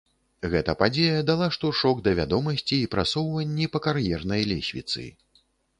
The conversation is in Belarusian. Гэта падзея дала штуршок да вядомасці і прасоўванні па кар'ернай лесвіцы.